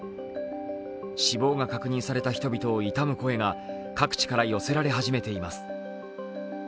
死亡が確認された人々を悼む声が各地から寄せられ始めています。